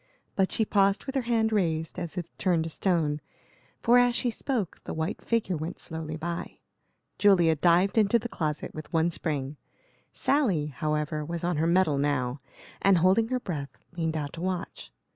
But she paused with her hand raised, as if turned to stone, for as she spoke the white figure went slowly by. Julia dived into the closet, with one spring. Sally, however, was on her mettle now, and, holding her breath, leaned out to watch.